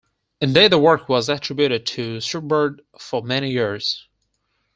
Indeed the work was attributed to Schubert for many years.